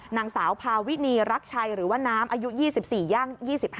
นางสาวพาวินีรักชัยหรือว่าน้ำอายุ๒๔ย่าง๒๕